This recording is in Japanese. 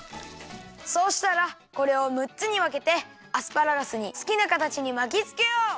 そうしたらこれをむっつにわけてアスパラガスにすきなかたちにまきつけよう！